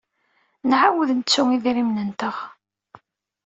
Nɛawed nettu idrimen-nteɣ.